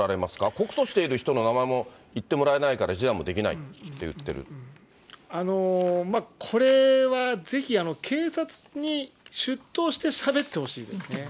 告訴している人の名前も言ってもらえないから示談もできないと言これはぜひ、警察に出頭してしゃべってほしいですね。